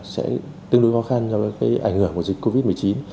sẽ tương đối khó khăn do cái ảnh hưởng của dịch covid một mươi chín